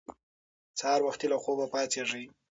سهار وختي له خوبه پاڅېږئ.